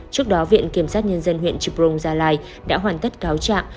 trước đó viện kiểm sát nhân dân huyện chiprong gia lai đã hoàn tất cáo chạm